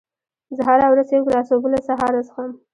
زه هره ورځ یو ګیلاس اوبه له سهاره څښم.